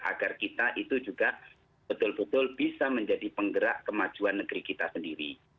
agar kita itu juga betul betul bisa menjadi penggerak kemajuan negeri kita sendiri